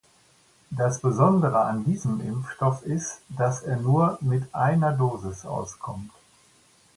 Das Besondere an diesem Impfstoff ist, dass er nur mit einer Dosis auskommt.